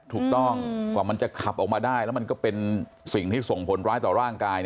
ถูกต้องกว่ามันจะขับออกมาได้แล้วมันก็เป็นสิ่งที่ส่งผลร้ายต่อร่างกาย